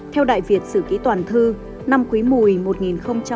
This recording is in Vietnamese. theo đại việt sử ký toàn thư năm quý mùi một nghìn sáu mươi ba